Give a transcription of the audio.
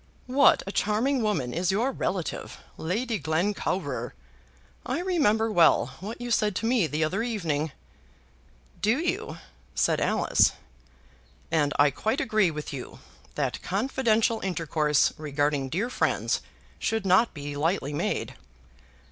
What a charming woman is your relative, Lady Glencowrer! I remember well what you said to me the other evening." "Do you?" said Alice. "And I quite agree with you that confidential intercourse regarding dear friends should not be lightly made."